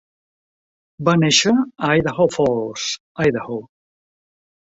Va néixer a Idaho Falls, Idaho.